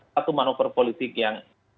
satu manuver politik yang